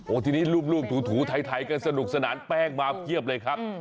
ทีนี้รูปถูถ่ายกันสนุกสนานแป้งมาเพียบเลยครับ